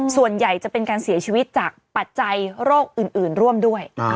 ส่วนใหญ่จะเป็นการเสียชีวิตจากปัจจัยโรคอื่นร่วมด้วย